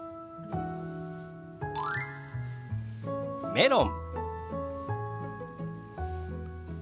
「メロン」。